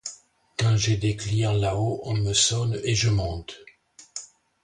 Quand j'ai des clients là-haut, on me sonne et je monte…